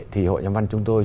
thì hội nhà văn chúng tôi